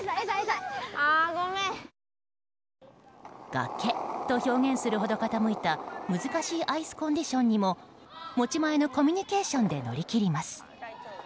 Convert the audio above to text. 崖と表現するほど傾いた難しいアイスコンディションにも持ち前のコミュニケーションで乗り切ります。